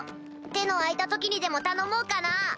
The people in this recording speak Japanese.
手の空いた時にでも頼もうかな？